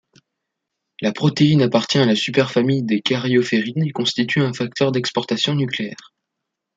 La protéines appartient à la superfamille des karyophérines et constitue un facteur d'exportation nucléaire.